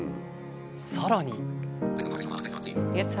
さらに。